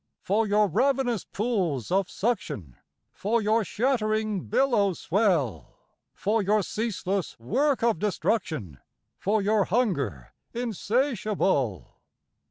For your ravenous pools of suction? for your shattering billow swell? For your ceaseless work of destruction? for your hunger insatiable?